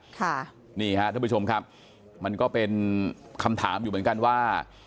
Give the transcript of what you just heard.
ค่ะนี่ฮะท่านผู้ชมครับมันก็เป็นคำถามอยู่เหมือนกันว่า